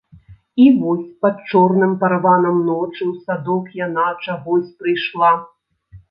І вось пад чорным параванам ночы ў садок яна чагось прыйшла.